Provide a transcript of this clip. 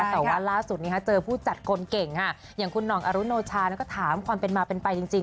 แต่ว่าล่าสุดนี้เจอผู้จัดคนเก่งค่ะอย่างคุณห่องอรุโนชาก็ถามความเป็นมาเป็นไปจริง